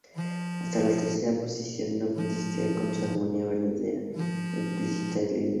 Hasta la tercera exposición no conquista su armonía verdadera, implícita, ideal.